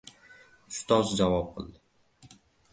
Ustod javob qildi: